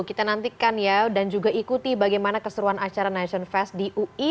kita nantikan ya dan juga ikuti bagaimana keseruan acara nation fest di ui